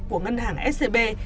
của ngân hàng scb